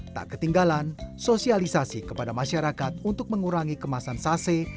tak ketinggalan sosialisasi kepada masyarakat untuk mengurangi kemasan sase